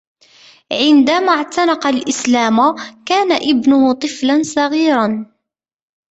عندما اعتنق الإسلام ، كان ابنه طفلاً صغيراً